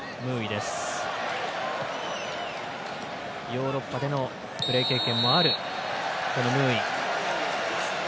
ヨーロッパでのプレー経験もあるムーイ。